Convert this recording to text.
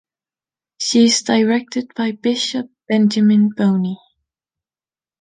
She’s directed by Bishop Benjamin Boni.